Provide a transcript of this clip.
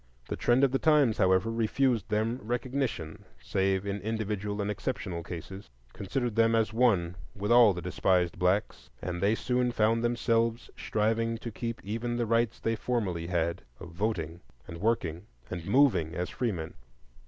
The trend of the times, however, refused them recognition save in individual and exceptional cases, considered them as one with all the despised blacks, and they soon found themselves striving to keep even the rights they formerly had of voting and working and moving as freemen.